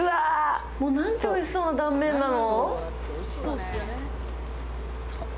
なんておいしそうな断面なの？